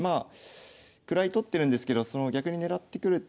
位取ってるんですけど逆に狙ってくるっていうのがね